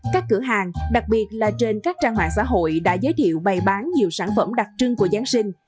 các cửa hàng đặc biệt là trên các trang mạng xã hội đã giới thiệu bày bán nhiều sản phẩm đặc trưng của giáng sinh